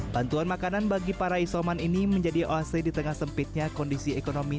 bantuan makanan bagi para isoman ini menjadi oac di tengah sempitnya kondisi ekonomi